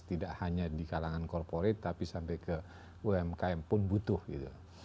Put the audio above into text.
tidak hanya di kalangan korporat tapi sampai ke umkm pun butuh gitu